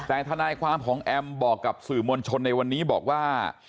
แต่ทนายความของแอมบอกกับสื่อมวลชนในวันนี้บอกว่า